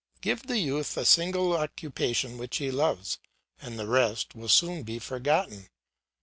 Give the youth a single occupation which he loves, and the rest will soon be forgotten.